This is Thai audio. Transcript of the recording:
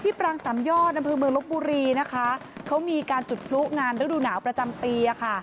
ที่พรางสามยอดนั่นคือเมืองลูกบุรีนะคะเค้ามีการจุดพลุงานฤดูหนาวประจำปี